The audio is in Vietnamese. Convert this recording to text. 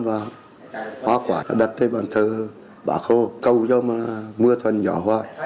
và hoa quả đặt lên ban thờ bác hồ cầu cho mưa thuần gió hoa